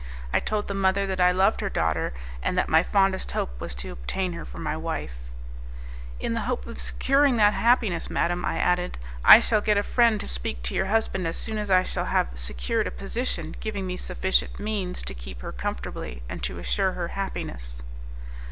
I told the mother that I loved her daughter, and that my fondest hope was to obtain her for my wife. "In the hope of securing that happiness, madam," I added, "I shall get a friend to speak to your husband as soon as I shall have secured a position giving me sufficient means to keep her comfortably, and to assure her happiness."